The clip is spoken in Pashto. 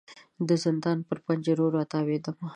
د زندان پر پنجرو را تاویدمه